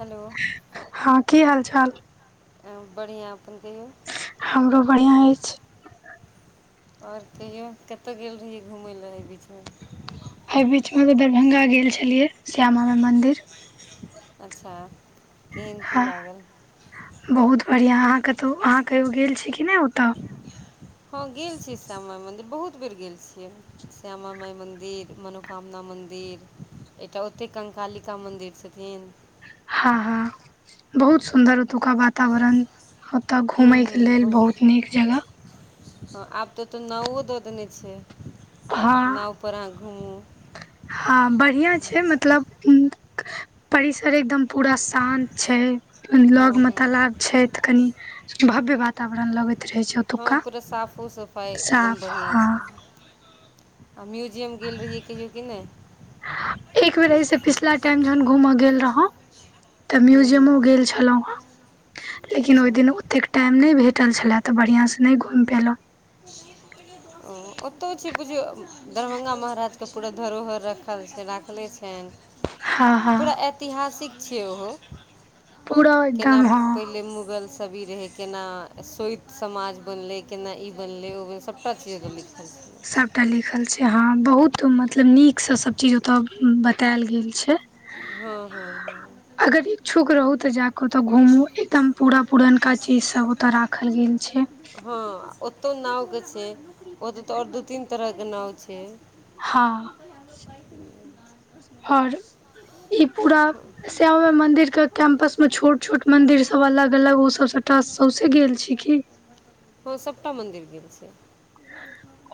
Hello हँ की हाल चाल बढ़िआ अपन कहियो। हमरो बढ़िआँ अछि। आर कहियो कतह गेल रहियै घुमय लए एहि बीचमे - - एहि बीच मे अभी दरभंगा गेल छलियै श्यामा मा मंदिर। अच्छा केहन की हँ लागल। बहुत बढ़िआ अहाँ कतहु अहाँ कहियो गेल छी कि नहि ओतऽ हँ गेल छियै श्यामाइ मन्दिर बहुत बेर गेल छियै। श्यामा माइ मन्दिर मनोकामना मन्दिर। एकटा ओते कंकालिका मन्दिर छथिन। हँ हँ बहुत सुन्दर- - ओतुका वातावरण ओतए हूँ घूमेय के हूँ लेल बहुत नीक जगह। हँ आब तऽ त नावो दऽ देने छैय हँ नावपर अहाँ घुमू। हँ बढ़िआँ छै मतलब हु। परिसर एकदम पूरा शान्त छै। हँ लग में हँ तालाब छै तऽ कनि भव्य वातावरण लगये छै। हँ ओतुका पूरा साफो सफाइ एकदम साफ बढ़िआँ हँ छै। आ म्यूजियम गेल रहियै कहियो कि नहि? एक बेर ऐस पिछला टाइम जहन घूमय गेल रहौ। तऽ हूँ हूँ म्यूजियमो गेल छलौं, लेकिन ओहि दिन अच्छा एतेक टाइम नहि भेटल छलै तऽ बढ़िआँसँ नहि घुमि पयेलहुँ। ओतहु छै बुझियौ दरभ्ंगा महाराजके पूरा धरोहर रखल राखले छैन। हँ हँ पूरा ऐतिहासिक छै ओहो। पूरा केना एकदम हँ पहिले मुगल सभी रहै केना स्वैत समाज बनलै केना ई बनलै ओ बनलै सभटा चीज छै। सभटा लिखल छै हँ बहुत मतलब नीकसँ सभ चीज ओतय बतायल गेल छै। हाँ- हाँ-हाँ अगर इच्छुक रहू तऽ जाक ओतऽ घूमू एकदम पूरा पुरनका चीज सब ओतए राखल गेल छै। हँ ओतौ नाव के छै, ओत तऽ आओर दू तीन तरह के नाव छै। हाँ ओर ई पूरा श्यामा मंदिर के कैम्पस उस में छोट- छोट मंदिर सब अलग-अलग ओ सब सबटा सौसे गेल छी की? हँ सभटा मन्दिर गेल छैय।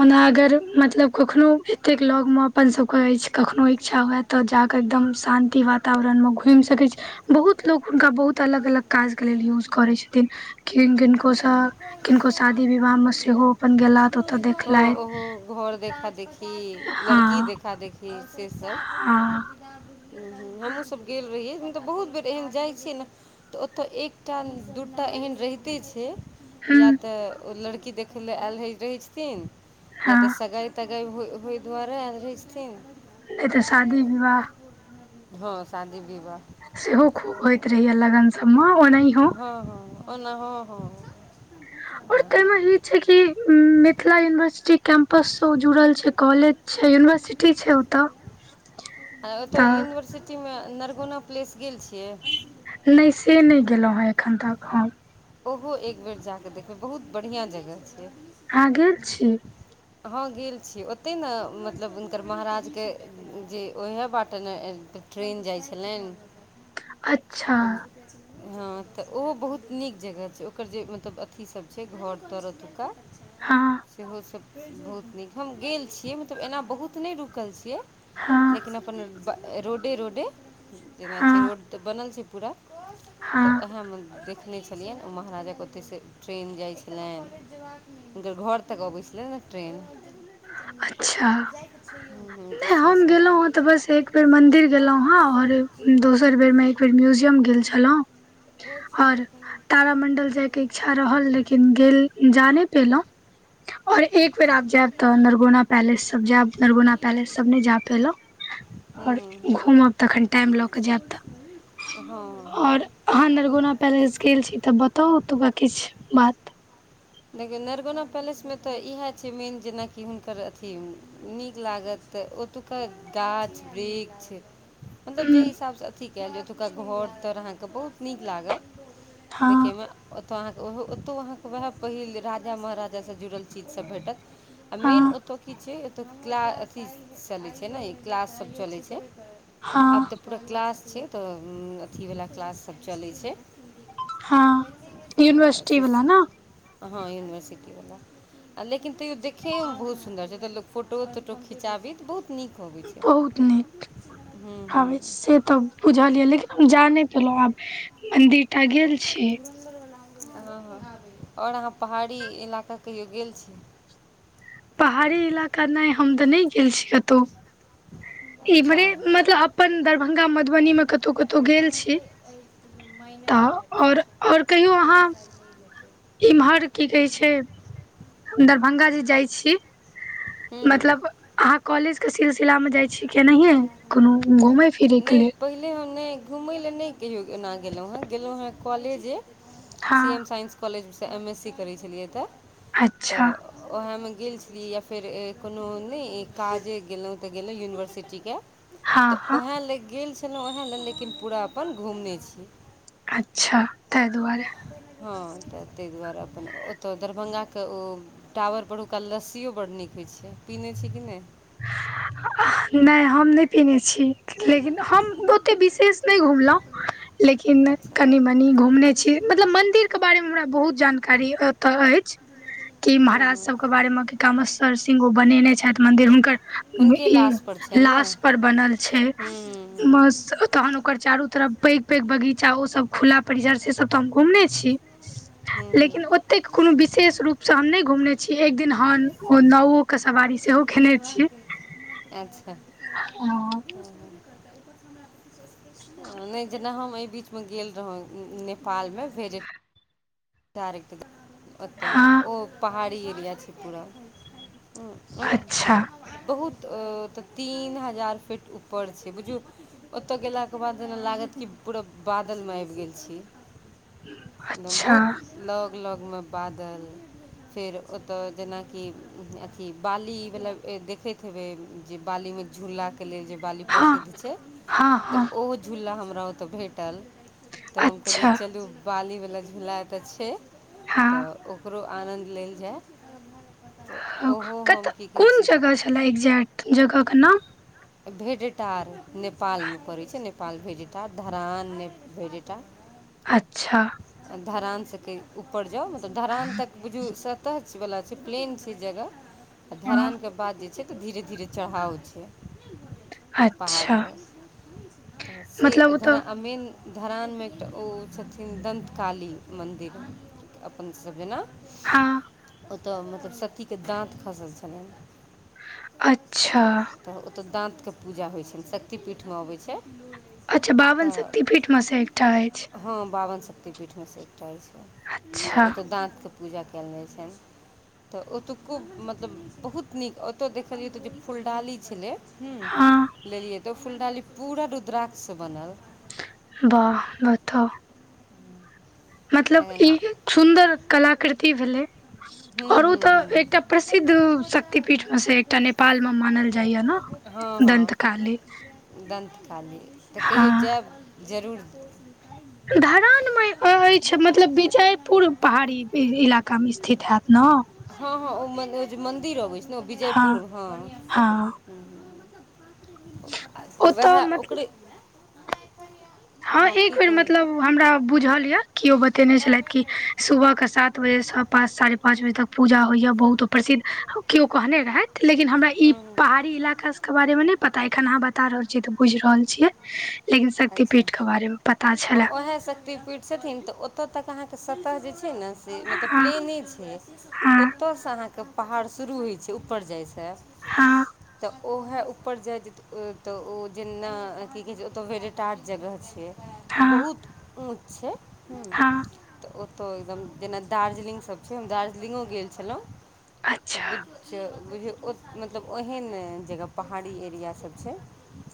ओना अगर मतलब कखनो एतेक लगमे अपन सबके अछि कखनो इच्छा होएत। तऽ जाकऽ एकदम शान्ति वातावरणमे घुइम सकै छी। बहुत लोको हुनका बहुत अलग- अलग काज के लेल यूज करै छथिन। कि किनको सब किनको शादी विवाह मे सेहो अपन गैला त ओ ओहो घर देखा देखी, लड़की हँ देखा देखी से सब हँ हूं हूं हमहूँसभ गेल रहियैन तऽ बहुत बेर एहन जाइ छियै ने तऽ ओतय एकटा दूटा एहन रहत पे छै या हूँ तऽ ओ लड़की देखै लेल आयल रहैत छथिन। या हँ तऽ सगाइ तगाइ हो होय दुआरे रहैत छथिन। नहि तऽ शादी विवाह हां शादी-विवाह सेहो खूब होयइत रहेये लगन सब में ओनाहि हाँ- हां -हां ओना हां- हां-हां ओर ताहि मे ई छै कि मिथिला यूनिवर्सिटी कैंपस से ओ जुड़ल छै कॉलेज छै यूनिवर्सिटी छै ओतऽ ओतय तऽ यूनिवर्सिटी में नरगुना प्लेस गेल छियै? नहि से नहि गेलहुँं हें एखन तक हम। ओहो एक बेर जाकऽ देखबै बहुत बढ़िया जगह छै। अहाॅं गेल छी? हँ गेल छी ओतहि ने मतलब हुनकर महाराज के जे ओहे बाटे ने ट्रेन जाइ छलेन। अच्छा हँ तऽ ओहो बहुत नीक जगह छै ओकर जे मतलब अथी सभ छै घर तर ओतुका। हां सेहो सभ बहुत नीक हम गेल छियै मतलब एना बहुत नहि रुकल छियै हँ लेकिन अपन रोडे रोडे जेना छै हँ रोड तऽ बनल छै पूरा। तऽ हँ ओएहमे देख - देखने छलियनि ओ महाराजा के ओतयसँ ट्रेन जाइ छलनि हुनकर घर तक अबैत छलनि ट्रेन। अच्छा हम्म, तऽ नहि से हम सब गेलहुं हं तऽ बस एक बेर मंदिर गेलहुं हें और दोसर बेर मे- फेर म्यूजियम गेल छलहुँ और तारामण्डल जाय के इच्छा रहल लेकिन गेल जा नै पेलहु और एक बेर अच्छा आब जायब तऽ नरगौना पैलेस सब जायब नरगौना पैलेस सब नहि जाय पेलहुॅं हम्म, और हम्म, घूमब तखन टाइम लऽ क जायब तऽ हम्म, हँ हँ और अहाँ नरगौना पैलेस गेल छी तऽ बताउ ओतुका किछ बात देखियौ नरगौना पैलेस मे तऽ इएह छै मेन जेना कि हुनकर अथी- नीक लागत त ओतुका गाछ वृक्ष- मतलब जहि हिसाबसँ अथि कयल छै ओतुका घर तर अहाँके बहुत नीक लागत। हँ देखे मे ओतौ अहाँके ओहो ओतो अहांके वएह पहिल राजा महराजा - सँ जुड़ल चीज सब भेटत आ मेन हँ ओतऽ कि छैओत क्लास अथी चलै छै ने ई क्लास सब चलै छै। आब हँ तऽ- पूरा क्लास छै तऽ अथी वला क्लास सब चलै छै। हँ यूनिवर्सिटी से वाला ने हँ यूनिवर्सिटीवला। आ लेकिन तैयो देखैयो मे बहुत सुन्दर छै एत लोग फोटो तोटो खिंचाबी त बहुत नीक- अबै छै। बहुत नीक हुं हुं- आबै से तऽ बुझलयै लेकिन हम जा नै पेलहुं आब मंदिर टा गेल छी। हँ हँ और अहाँ पहाड़ी इलाका कहियो गेल छियै? पहाड़ी इलाका नहि हम तऽ नहि गेल छी कतहु अच्छा एमहरे मतलब अपन दरभंगा मधुबनी मे कतहु -कतहु गेल छी। तऽ और -और कहियौ अहाँ इम्हर की कहे छै हम दरभंगा जे जाय छी हूँ हूँ मतलब अहाँ कॉलेज के सिलसिला मे जाइ छीयै की ओनाहिये कोनो घूमय फिरै के लेल? नै हम नहि घुमय लए नहि कहियौ एना गेलहुँ हँ गेलहुँ हँ कॉलेजे सी हँ एम साइंस कॉलेज सँ एम एस सी करै छलियै तऽ अच्छा तऽ ओहे मे गेल छलीयैये फेर ए-कोनो नै काजे गेलहुं त गेल रहियै यूनिवर्सिटी के हँ तऽ हँ वेहे ले गेल छलहुँ वएह लए लेकिन पूरा अपन घुमने छी। अच्छा। ताहि दुआरे हँ तऽ तय दुआरे अपन ओतय दरभंगाके ओ टावर परहुका लस्सियो बड्ड नीक होइत छै पीने छी कि नहि? नहि हम नहि पीने छी। लेकिन हम ओते विशेष नहि घुमलहुँ। लेकिन अच्छा कनि मनी घुमने छी, मतलब मंदिर के बारे मे हमरा बहुत जानकारी ओत अइछ, कि हूँ महाराज हूँ सब के बारे मे कमेश्वर सिंह ओ बनेने छथि मदिर हुनकर, हुनके ई लाशपर छनि ने लाश पर बनल छै। हूँ बस हूँ तहन ओकर चारू तरफ पैग पैग बगीचा ओ सब खुला परिजर से सब तऽ हम घुमने छी। हूँ हूँ लेकिन ओतेक कोनो विशेष रूपसं हम नै घुमने छी, एक दिन हं नाओ [unintelligible] अच्छा। हं नै जेना हम ऐ बीचमे गेल रहौं ने नेपालमे भेडे टार [unintelligible] ओत हँ ओ पहाड़ी एरिया छै पूरा। अच्छा [unintelligible] बहुत तीन हजार फिट ऊपर छै बुझिऔ ओत गेलाके बाद जेना लागत कि पूरा बादलमे आबि गेल छी। [unintelligible] अच्छा बहुत लग लगमे बादल फेर ओत जेनाकि अथी बाली वला ए देखैत हेबै। जे बाली मे झूला के लेल जे बाली हँ प्रसिद्ध छै हँ त हँ ओहो झूला हमरा ओत भेटल। त हम कहलिअइ अच्छा चलू बालीवला झूला त छै [unintelligible] त हँ ओ ओकरो आनन्द लेल जाए। हं कत कोन जगह छै छला एक्जेक्ट जगहके नाम? भेडेटार नेपालमे पड़ै छै नेपाल भेडेटार धरान में भेडेटा अच्छा। आ धरानसं कैन ऊपर जाउ, मतलब धरान तक बुझू सतह वला छै प्लेन छै जगह [inaudible] आ हँ धरान के बाद जे से त धीरे धीरे चढ़ाव छै। [inaudible] पर अच्छा भंडटपंगटपर, तसे मतलब ओ णं सेधर तऽ मेन और शान धरानमे एकटा ओ छथिन दन्तकाली मन्दिर अपन सब जेना हँ ओत मतलब सत्तीके दाँत खसल छलनिएं। अच्छा। त ओत दाँतके पूजा होइ छनि, शक्तिपीठमे अबै छै। अच्छा बाबन तऽ शक्तिपीठमे सं एकटा अछि? हँ बाबन शक्तिपीठमे सँ एकटा अछि, त अच्छा ओत दाँतके पूजा कैल जाइ छनि। त ओतुको मतलब बहुत नीक ओतौ देखलियै त जे फुलडाली छलै हुं हँ लेलियै त, उ फुलडाली पूरा रुद्राक्षसँ बनल। वाह बताउ। मतलब तखन ई खुन्दर कलाकृति भेलै। हुं। और ओ त एकटा प्रसिद्ध शक्तिपीठ मे स एकटा नेपाल मे मानल जाइया न? हँ हँ दंतकाली। दन्तकाली त कहियो हँ जाएब जरूर। धरानमे ई कहय छै मतलब विजयपुर पहाड़ी ई इलाकामे स्थित हैत न? हं हं ओ मने जे मन्दिर अबै छै ने ओ हँ विजयपुरमे हं। हँ। हुं [inaudible] त ओतऽ उहे ओकरे हं हँ की एकबेर कहलियै मतलब हमरा बुझल या किओ बतेने छलथि कि सुबह का सात बजेसं पाँच साढ़े पाँच बजे तक पूजा होइया बहुत प्रसिद्ध, किओ कहने रहथि। लेकिन हमरा ई हूँ हूँ पहाड़ी इलाका सबके बारे मे नै पता, एखनि अहाँ बता रहल छियै त बुझि रहल छियै। लेकिन शक्ति ओहा शक्ति पीठ छथिन तऽ ओत तक अहाँके सत जे छै ने मतलब हँ प्लेने छै हँ ओतयसँ अहाँके पहाड़ शुरू होइ छै ऊपर जाइसँ हँ तऽ ओहे ऊपर जाय तऽ ओ जेना की कह छै ओतय आर जगह छै बहुत ऊँच छै हां त ऽ ओतऽ एकदम जेना दार्जलिंग सब छै हम दार्जलि्ंगो गेल छलहुँ तऽ बु अच्छा बुझियौ [unintelligible] मतलब ओहन नैय जगह पहाड़ी एरिया सब छै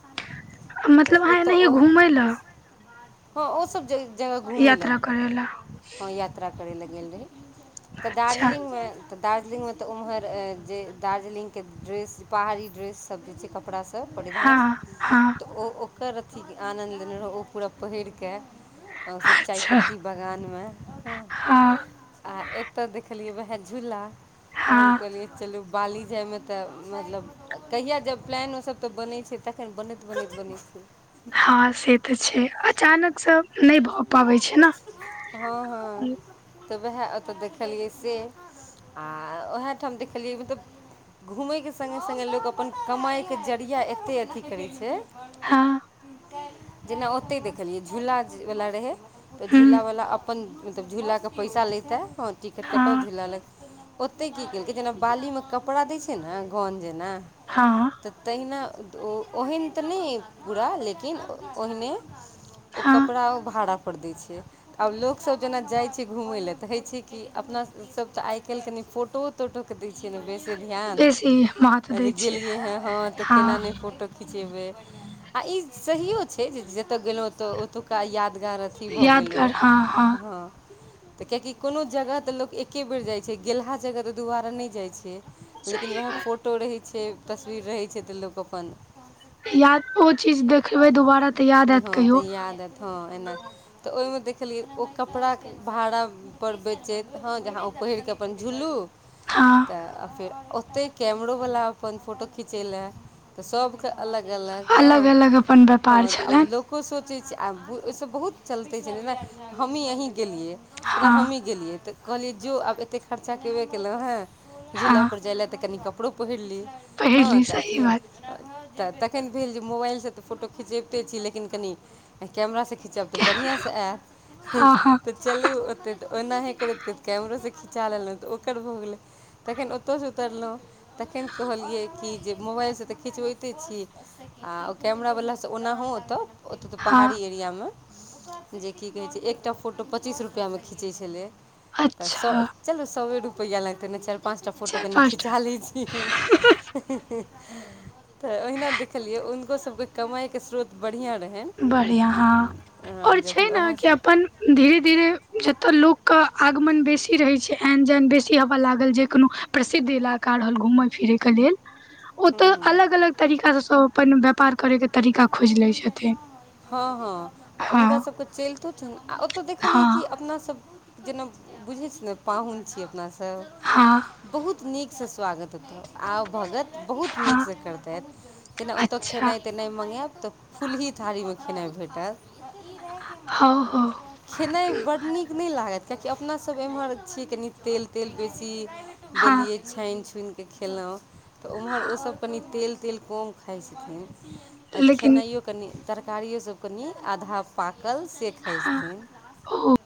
सात [inaudible] मतलब ओ है ओ है हँ ओ सब जगह घुमैल यात्रा करै लए यात्रा करै लए गेल रहै तऽ अच्छा दार्जिलिंग में तऽ दार्जिलिंग में तऽ ओम्हर जे दार्जिलिंग के ड्रेस पहाड़ी ड्रेस सब जे छै कपड़ा सँ परिधान हँ हँ तऽ ओ ओकर अथीक आनन्द लेने रहौ ओ पूरा पहिरकेऽ ओर सब अच्छा चायपत्ती बगान में हँ आ एत देखलिये वएह झूला त हम हँ कहलिये चलू बाली जायमे तऽ मतलब कहिया जब प्लान ओ सब तऽ बनै छै तखन बनैत बनैत बनैततै हँ से तऽ छै अचानक से नहि भऽ पाबै छै ने हँ हँ तऽ उएह ओतय देखलियै से आ उएह ठाम देखलियै मतलब घुमै के संग संग लोक अपन कमाइके जरिया एत्ते अथी करै छै हँ [inaudible] जेना ओतै देखलियै झूला वला रहै तऽ हूँ झूला वला अपन मतलब झूला के पैसा लैता ओर टिकट कटाउ हँ झूला लग ओतय की केलकै जेना बाली में! कपड़ा दैय छै ने गन जेना हँ! तऽ तहिना ओ ओहेन तऽ नहि पूरा लेकिन ओहिने हँ कपड़ा ओ भाड़ा पर दै छै आब लोकसब जेना जाइत छै घूमय लेल तऽ होइत छै कि अपनासभ तऽ आइ काल्हि कनि फोटो फोटो के दै छियै ने बेसी ध्यान बेसी महत्व दै जे छियै गेलियै हे ह त हँ केना नहि फोटो खिचेबै आ ई सहियो छै जे जतय गेलहुंत ओतुका यादगार अथी भऽ गेल ओ यादगार हँ हँ! तॅं कियाकि कोनो जगह तॅं लोक एके बेर जाइत छै गेलहा जगह तॅं दुबारा नहि जाइत छै लेकिन सही उएह बात फोटो रहैत छै तस्वीर रहैत छै तऽ लोक अपन याद ओ चीज देखबै दुबारा तऽ याद एत कहियो हां एना तऽ ओइमे देखलियै ओ कपड़ा के भाड़ा पर बेचैत हँ जहाँ ओ पहिरकेऽ अपन झुलू हँ! आ फेर ओतहि कैमरोवला अपन फोटो खिचै लए तऽ सबके अलग अलग हँ अलग अपन हँ व्यापार तऽ आब छलनि लोको सोचै छै आ ओहिसँ बहुत चलते छै जेना हमही अहीं गेलियै जेना हँ हमही गेलियै तऽ कहलियै जो आब एते खर्चा केबे केलहु हँ झूलापर जाय लेलए तऽ कनि कपड़ो पहिर ली हँ पहिरली तऽ अथि सही बात यए। तऽ तखन भेल जे मोबाइलसँ तऽ फोटो खिचबिते छी लेकिन कनि कैमरासँ खिचब तऽ बढ़िआँसँ हँ हँ आयत। चलू ओतेक तऽ ओनाहे करैत कैमरोसँ खिचा लेलहुँ तऽ ओकर भऽ गेलै। तखन ओतयसँ उतरलहुँ तखन कहलियै कि जे मोबाइलसँ तऽ खिचबैते छि। आ ओ कैमरा वालला से ओनाहो ओत ओत तऽ हँ पहाड़ी ए जे की कहै छै एकटा फोटो पच्चीस रुपआमे खीचै छलै। तऽ सए अच्छा चलू सए रुपैआ लगतै नहि चारि पाँच टा फोटो चारि कनि पाँच टा खिचा लैत छि। तऽ ओहिना देखलियै हुनको सबके कमाइके स्रोत बढ़िआँ रहै। बढ़िआँ हँ आओर छै ने उएह कि अपन धीरे धीरे जतय लोकके आगमन बेसी रहैत छै एन जन बेसी हवा लागल जे कोनो प्रसिद्ध इलाका रहल घुमै फिरै के लेल [inaudible] ओ तऽ अलग अलग तरीका से सब अपन व्यापार करे के तरीका खोज ले छथिन। हाँ हां आ हुनका हँ सब किछ चलितो छनि आ ओतऽ देखलियै कि हँ अपना सब जेना बुझै छै ने पाहुन छीियै अपनासभ हँ सब बहुत नीकसँ स्वागत होतहु आउ भगत। बहुत हँ नीकसँ करतथि जेना ओतौ अच्छा खेनाइ-तेनाइ मंगायेब तऽ फुल्ही थारीमे खेनाइ भेटत। हौ हौ खेनाइ बड्ड नीक [unintelligible] नहि लागत कियाकि अपना सब एम्हर छियै कनि तेल तेल बेसी हँ देलियै। छाइन छुनिके खेलहुँ तऽ ओम्हर ओसभ कनी तेल तेल कम खाइ छथिन। आओर लेकिन खेनाइयो कनी तरकारियो सब कनी आधा पाकल से हँ खाएलथिन। [inaudible]